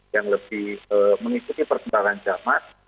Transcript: yang lebih mengikuti perkembangan zaman